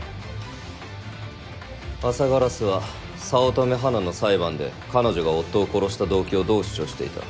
朝烏は早乙女花の裁判で彼女が夫を殺した動機をどう主張していた？